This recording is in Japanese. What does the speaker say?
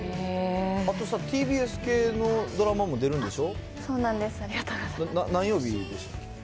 あとさ、ＴＢＳ系のドラマも出るんでしょ。